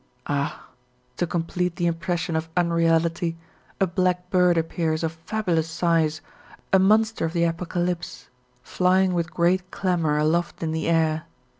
Ah! to complete the impression of unreality a black bird appears of fabulous size, a monster of the Apocalypse, flying with great clamour aloft in the air.